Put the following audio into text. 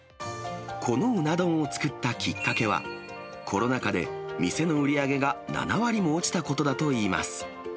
このうな丼を作ったきっかけは、コロナ禍で店の売り上げが７割も落ちたことだといいます。